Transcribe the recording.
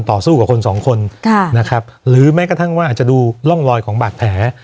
ต่อสู้กับคนสองคนค่ะนะครับหรือแม้กระทั่งว่าอาจจะดูร่องรอยของบาดแผล